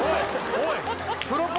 おい！